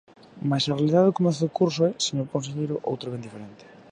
Mais a realidade do comezo de curso é, señor conselleiro, outra ben diferente.